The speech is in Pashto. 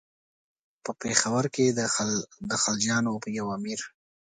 په پېښور کې د خلجیانو یو امیر.